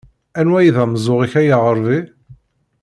Anwa ay d ameẓẓuɣ-ik a yaɣerbi?